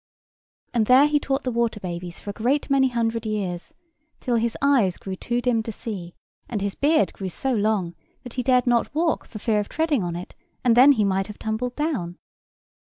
And there he taught the water babies for a great many hundred years, till his eyes grew too dim to see, and his beard grew so long that he dared not walk for fear of treading on it, and then he might have tumbled down.